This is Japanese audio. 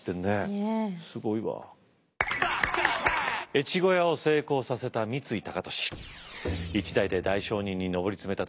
越後屋を成功させた三井高利。